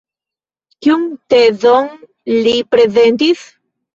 Kiun tezon li prezentis?